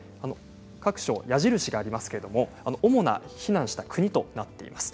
各種、矢印がありますけれど主な避難した国となっています。